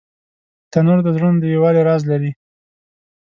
تنور د زړونو د یووالي راز لري